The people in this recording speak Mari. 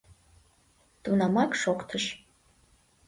— тунамак шоктыш.